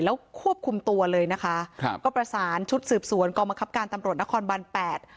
แล้วควบคุมตัวเลยนะคะครับก็ประสานชุดสืบสวนกองบังคับการตำรวจนครบันแปด